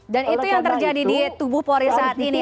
dan itu yang terjadi di tubuh polri saat ini ya